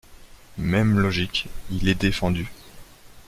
Même logique, il est défendu.